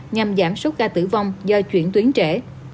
nhằm giảm số ca tử vong do chuyển tuyến trẻ